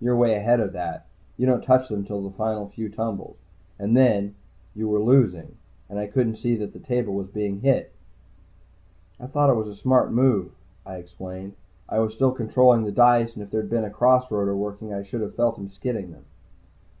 You're way ahead of that you don't touch them till the final few tumbles. And then, you were losing, and I couldn't see that the table was being hit." "I thought it was the smart move." I explained. "I was still controlling the dice, and if there'd been a cross roader working, I should have felt him skidding them."